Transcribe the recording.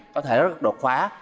có thể rất đột phá